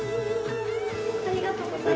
ありがとうございます。